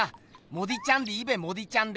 モディちゃんでいいべモディちゃんで。